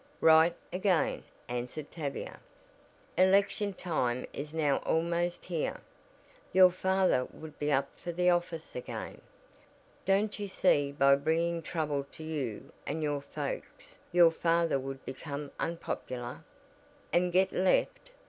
"Right, again," answered Tavia. "Election time is now almost here. Your father would be up for the office again. Don't you see by bringing trouble to you and your folks your father would become unpopular?" "And get left!"